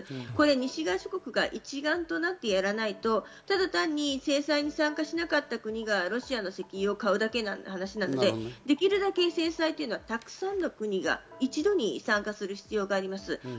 西側諸国が一丸となってやらないとただ単に制裁に参加しなかった国がロシアの石油を買うだけの話なので、できるだけ制裁はたくさんの国が一度に参加する必要があります。